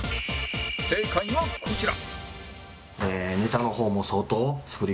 正解はこちら